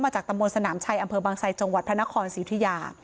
จากตำบลสนามชัยอำเภอบางไซจังหวัดพระนครศรีอุทิยา